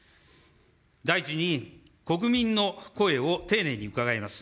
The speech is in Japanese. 第１に国民の声を丁寧に伺います。